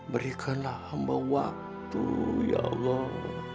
berikanlah hamba waktu ya allah